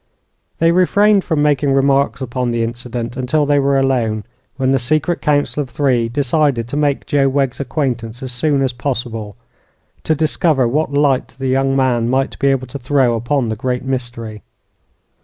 They refrained from making remarks upon the incident until they were alone, when the secret council of three decided to make Joe Wegg's acquaintance as soon as possible, to discover what light the young man might be able to throw upon the great mystery.